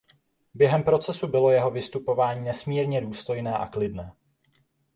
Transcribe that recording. Během procesu bylo jeho vystupování nesmírně důstojné a klidné.